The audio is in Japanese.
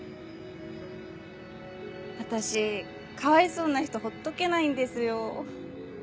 私かわいそうな人ほっとけないんですよ。